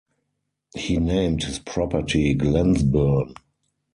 He named his property "Glennsburne".